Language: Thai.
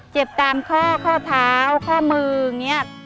เจ็บตามข้อข้อเท้าข้อมืออย่างนี้